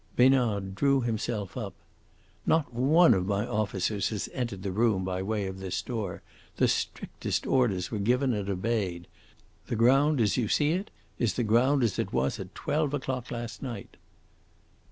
Besnard drew himself up. "Not one of my officers has entered the room by way of this door. The strictest orders were given and obeyed. The ground, as you see it, is the ground as it was at twelve o'clock last night."